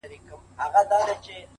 يوه ورځ يو ځوان د کلي له وتلو فکر کوي,